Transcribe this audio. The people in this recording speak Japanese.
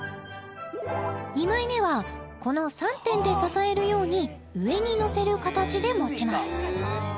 ２枚目はこの３点で支えるように上にのせる形で持ちます